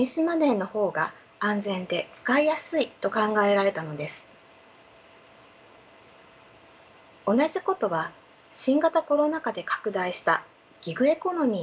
同じことは新型コロナ禍で拡大したギグエコノミーに関しても言えます。